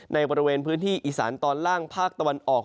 ในบริเวณพื้นที่อีสานตอนล่างภาคตะวันออก